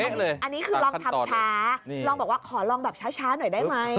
อันนี้คือลองทำช้าลองบอกว่าขอลองแบบช้าหน่อยได้ไหม